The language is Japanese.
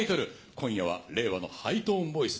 今夜は令和のハイトーンボイス。